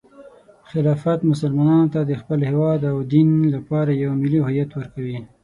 خلافت مسلمانانو ته د خپل هیواد او دین لپاره یو ملي هویت ورکوي.